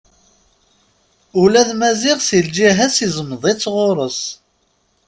Ula d Maziɣ s lǧiha-s izmeḍ-itt ɣur-s.